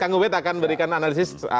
kang ubed akan berikan analisis